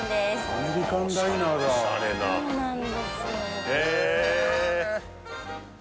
アメリカンダイナーだそうなんですよへえ！